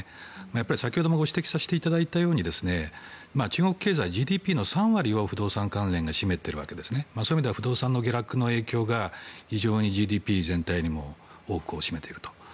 先ほども指摘させていただいたように中国経済、ＧＤＰの３割を不動産関連が占めていてそういう意味では不動産の下落が非常にＧＤＰ全体にも多くを占めていると。